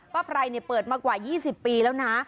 ป้าพรายเปิดมากกว่ายี่สิบปีแล้วนะ